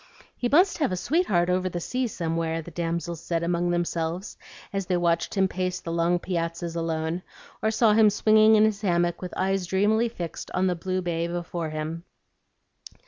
"He must have a sweetheart over the sea somewhere," the damsels said among themselves, as they watched him pace the long piazzas alone, or saw him swinging in his hammock with eyes dreamily fixed on the blue bay before him.